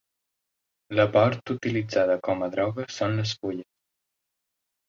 La part utilitzada com a droga són les fulles.